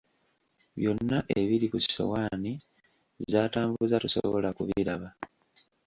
Byonna ebiri ku ssowaani z’atambuza tosobola kubiraba.